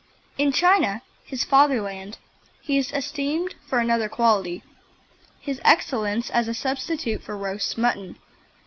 In China, his fatherland, he is esteemed for another quality his excellence as a substitute for roast mutton.